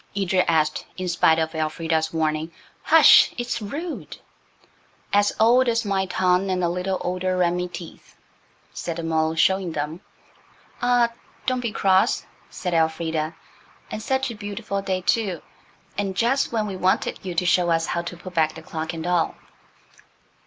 Edred asked, in spite of Elfrida's warning "Hush! it's rude." "'S old as my tongue an' a little older'n me teeth," said the mole, showing them. "Ah, don't be cross," said Elfrida, "and such a beautiful day, too, and just when we wanted you to show us how to put back the clock and all."